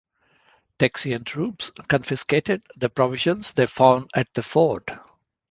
Texian troops confiscated the provisions they found at the fort.